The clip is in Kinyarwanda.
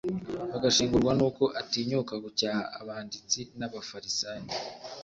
bagashengurwa n'uko atinyuka gucyaha abanditsi n'abafarisayo.